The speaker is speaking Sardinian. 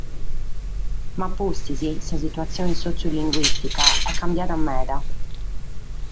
Ma, pustis, sa situatzione sotziulinguìstica est cambiada meda.